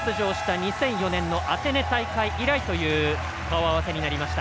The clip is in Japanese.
２００４年のアテネ大会以来という顔合わせになりました。